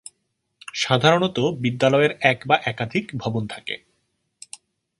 সাধারণত বিদ্যালয়ের এক বা একাধিক ভবন থাকে।